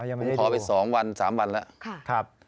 ผมขอไปสองวันสามวันนะ